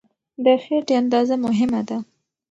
د خېټې اندازه مهمه ده.